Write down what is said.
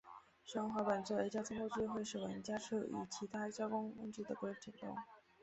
使用滑板作为交通工具会使玩家处于其他交通工具的危险中。